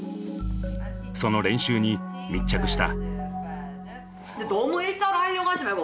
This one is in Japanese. その練習に密着した。